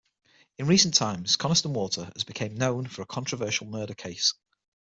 In recent times, Coniston Water has become known for a controversial murder case.